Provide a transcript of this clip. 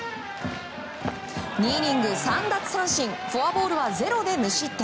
２イニング、３奪三振フォアボールは０で無失点。